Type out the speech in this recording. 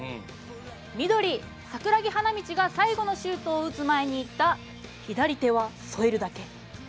緑、桜木花道が最後のシュートを打つ前に言った「左手はそえるだけ」。